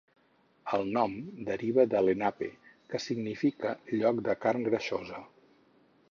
El nom deriva de Lenape, que significa lloc de carn greixosa.